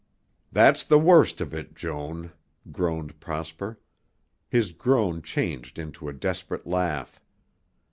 "That's the worst of it, Joan," groaned Prosper. His groan changed into a desperate laugh.